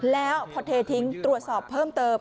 แล้วพอเททิ้งตรวจสอบเพิ่มเติม